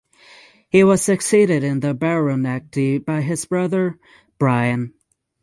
He was succeeded in the baronetcy by his brother Bryan.